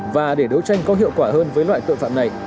và để đấu tranh có hiệu quả hơn với loại tội phạm này